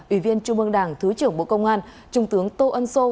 ủy viên trung ương đảng thứ trưởng bộ công an trung tướng tô ân sô